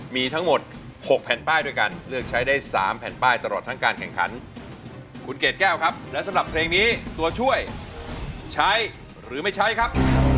มีทั้งหมด๖แผ่นป้ายด้วยกันเลือกใช้ได้๓แผ่นป้ายตลอดทั้งการแข่งขันคุณเกดแก้วครับและสำหรับเพลงนี้ตัวช่วยใช้หรือไม่ใช้ครับ